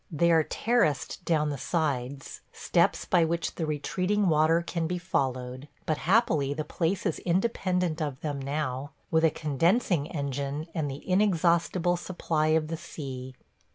They are terraced down the sides – steps by which the retreating water can be followed – but happily the place is independent of them now – with a condensing engine and the inexhaustible supply of the sea.